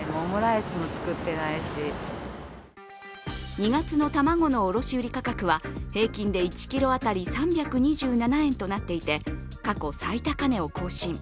２月の卵の卸売価格は平均で１ｋｇ当たり３２７円となっていて、過去最高値を更新。